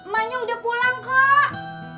bang emanya udah pulang kok